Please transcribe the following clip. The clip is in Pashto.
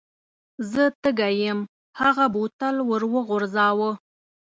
زه تږی یم هغه بوتل ور وغورځاوه.